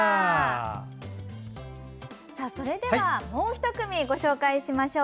それではもう１組ご紹介しましょう。